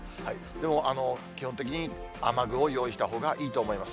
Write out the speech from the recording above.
でも、基本的に雨具を用意したほうがいいと思います。